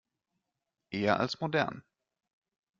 Eher als modern.